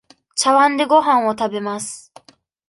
ちゃわんでごはんを食べます。